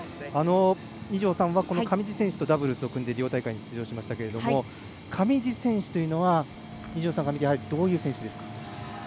二條さんも上地選手とダブルスを組んでリオ大会に出場しましたが上地選手というのは二條さんから見てどんな選手ですか。